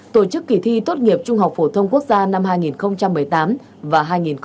tổ chức kỷ thi tốt nghiệp trung học phổ thông quốc gia năm hai nghìn một mươi tám và hai nghìn hai mươi một